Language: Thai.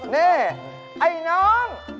นี่ไอ้น้อง